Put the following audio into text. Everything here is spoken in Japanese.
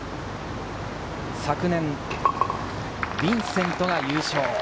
昨年、ビンセントが優勝。